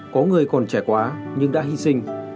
có người còn trẻ quá nhưng đã hy sinh